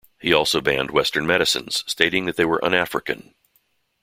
He also banned Western medicines, stating that they were un-African.